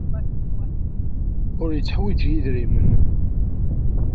Ur yetteḥwiji idrimen.